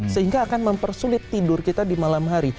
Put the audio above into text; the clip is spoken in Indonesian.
sehingga akan mempersulit tidur kita di malam hari